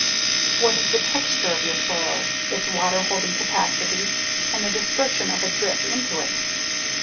What is the texture of your soil, its water holding capacity, and the dispersion of a drip into it?